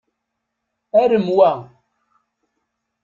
Arem wa!